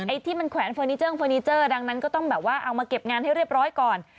ที่มันแขวนเฟอร์นิเจอร์เฟอร์นิเจอร์ดังนั้นก็ต้องแบบว่าเอามาเก็บงานให้เรียบร้อยก่อน